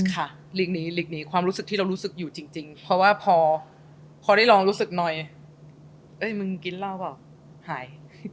ค่ะลีกนี้ลีกนี้ความรู้สึกที่เรารู้สึกอยู่จริงเพราะว่าพอได้ลองรู้สึกหน่อยเอ้ยมึงกินเหล้าเปล่าหาย